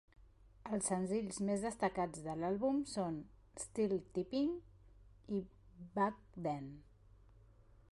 Els senzills més destacats de l'àlbum són "Still Tippin'" i "Back Then".